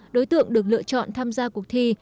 đối tượng được lựa chọn tham gia cuộc thi